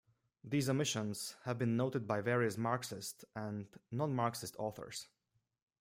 These omissions have been noted by various Marxist and non-Marxist authors.